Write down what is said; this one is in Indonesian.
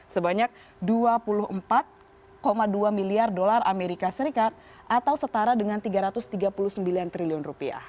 sebanyak dua puluh empat dua miliar dolar amerika serikat atau setara dengan tiga ratus tiga puluh sembilan triliun rupiah